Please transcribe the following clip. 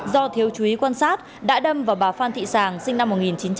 do thiếu chú ý quan sát đã đâm vào bà phan thị sàng sinh năm một nghìn chín trăm tám mươi